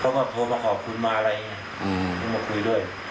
เขาก็โทรมาขอบคุณมาอะไรอย่างนี้ให้มาคุยด้วย